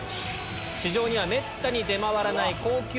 市場にはめったに出回らない。